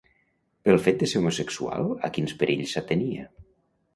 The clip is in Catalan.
Pel fet de ser homosexual, a quins perills s'atenia?